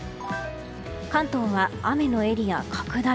関東は雨のエリア、拡大。